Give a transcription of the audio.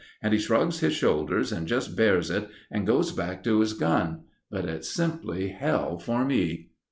And he shrugs his shoulders and just bears it, and goes back to his gun; but it's simply hell for me."